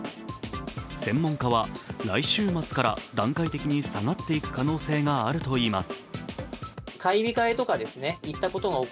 専門家は、来週末から段階的に下がっていく可能性があるといいます。